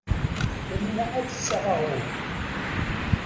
Yamina ad d-tseɣ aɣrum.